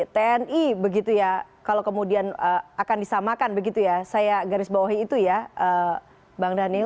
tni begitu ya kalau kemudian akan disamakan begitu ya saya garis bawahi itu ya bang daniel